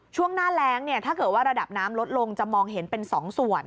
ช่วงหน้าแรงถ้าเกิดว่าระดับน้ำลดลงจะมองเห็นเป็น๒ส่วน